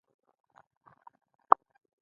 د ایران خصوصي سکتور له ستونزو سره مخ دی.